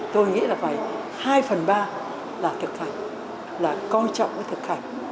tôi nghĩ là phải hai phần ba là thực hành là coi trọng cái thực hành